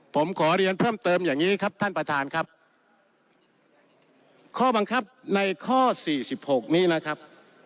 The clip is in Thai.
ผมขอเรียนเพิ่มเติมอย่างงี้ครับท่านประธานครับข้อบังคับในข้อสี่สิบหกนี้นะครับ